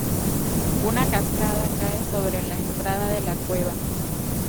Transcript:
Una cascada cae sobre la entrada de la cueva.